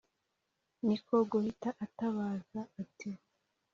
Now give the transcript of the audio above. niko guhita atabaza ati: